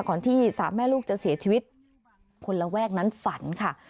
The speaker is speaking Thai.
ที่สามแม่ลูกจะเสียชีวิตคนระแวกนั้นฝันค่ะ